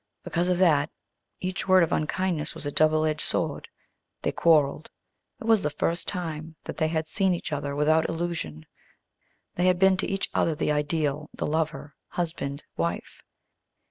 Because of that each word of unkindness was a doubled edged sword. They quarreled. It was the first time that they had seen each other without illusion. They had been to each other the ideal, the lover, husband, wife.